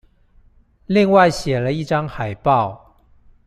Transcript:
另外寫了一張海報